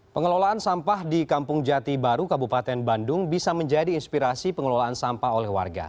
pengelolaan sampah di kampung jati baru kabupaten bandung bisa menjadi inspirasi pengelolaan sampah oleh warga